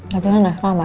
gak pengen gak sama